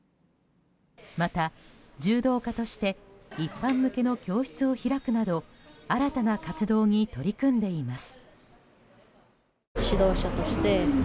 また、柔道家として一般向けの教室を開くなど新たな活動に取り組んでいます。